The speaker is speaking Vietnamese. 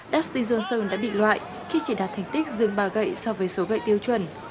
dasti johnson đã bị loại khi chỉ đạt thành tích dương ba gậy so với số gậy tiêu chuẩn